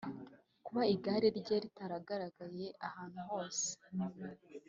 Kuba igare rye ritarageraga ahantu hose